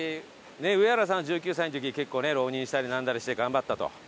上原さんは１９歳の時結構ね浪人したりなんだりして頑張ったと。